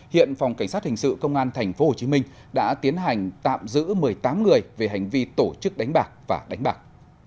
hiện phòng cảnh sát hình sự công an tp hcm đã tiến hành tạm giữ một mươi tám người về hành vi tổ chức đánh bạc và đánh bạc